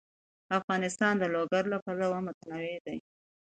افغانستان د لوگر له پلوه متنوع دی.